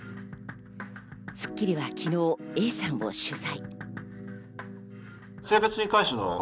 『スッキリ』は昨日、Ａさんを取材。